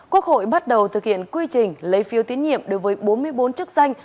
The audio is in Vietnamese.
quốc hội bắt đầu thực hiện quy trình lấy phiêu tiến nhiệm đối với bốn mươi bốn chức danh